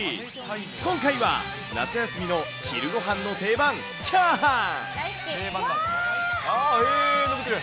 今回は、夏休みの昼ごはんの定番、チャーハン。